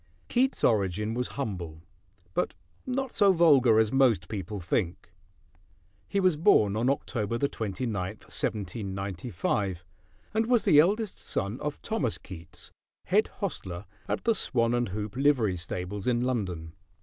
Keats' origin was humble; but not so vulgar as most people think. He was born on October 29, 1795, and was the eldest son of Thomas Keats, head hostler at the Swan and Hoop livery stables in London.